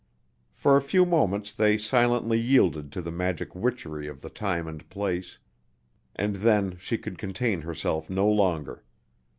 For a few moments they silently yielded to the magic witchery of the time and place, and then she could contain herself no longer.